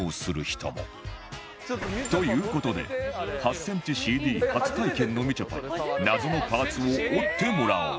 という事で８センチ ＣＤ 初体験のみちょぱに謎のパーツを折ってもらおう